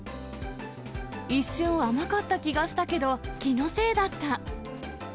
一瞬甘かった気がしたけど、気のせいだった。